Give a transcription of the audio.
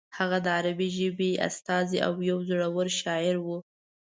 هغه د عربي ژبې استازی او یو زوړور شاعر و.